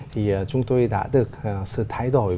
thì chúng tôi đã được sự thay đổi